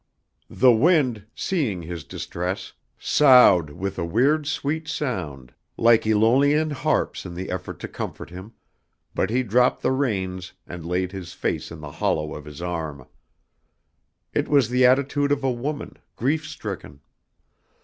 The wind, seeing his distress, soughed with a weird sweet sound like aeolian harps in the effort to comfort him, but he dropped the reins and laid his face in the hollow of his arm. It was the attitude of a woman, grief stricken.